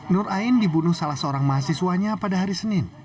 nur ain dibunuh salah seorang mahasiswanya pada hari senin